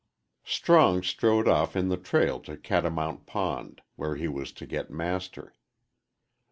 Strong strode off in the trail to Catamount Pond, where he was to get Master.